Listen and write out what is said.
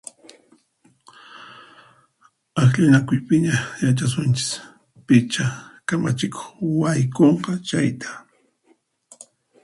Akllanakuypiña yachasunchis picha kamachikuq haykunqa chayta!